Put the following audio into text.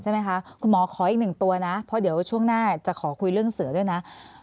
ใช่ไหมคะคุณหมอขออีกหนึ่งตัวนะเพราะเดี๋ยวช่วงหน้าจะขอคุยเรื่องเสือด้วยนะ